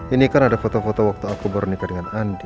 ini kan ada foto foto waktu aku baru nikah dengan andi